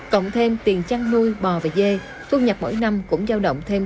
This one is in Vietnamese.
cộng thêm tiền chăn nuôi bò và dê thu nhập mỗi năm cũng giao động thêm